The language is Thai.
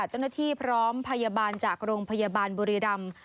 เจ้าหน้าที่พร้อมพยาบาลจากโรงพยาบาลบุรีรำ